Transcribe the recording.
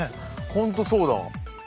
ほんとそうだ。